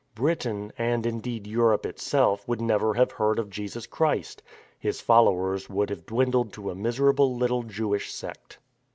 Britain, and indeed Europe itself, would never have heard of Jesus Christ. His followers would have dwindled to a miserable little Jewish sect.